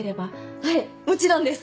はいもちろんです！